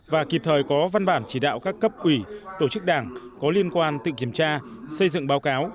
và kịp thời có văn bản chỉ đạo các cấp ủy tổ chức đảng có liên quan tự kiểm tra xây dựng báo cáo